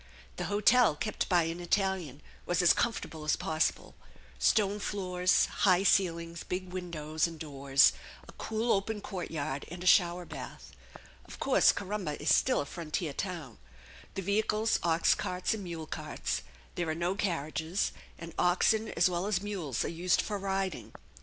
The hotel, kept by an Italian, was as comfortable as possible stone floors, high ceilings, big windows and doors, a cool, open courtyard, and a shower bath. Of course Corumba is still a frontier town. The vehicles ox carts and mule carts; there are no carriages; and oxen as well as mules are used for riding.